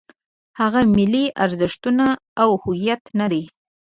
هغه ملي ارزښتونه او هویت نه دی.